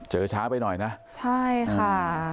เจอช้าไปหน่อยนะใช่ค่ะ